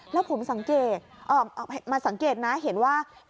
แล้วผมสังเกตมาสังเกตนะเห็นว่า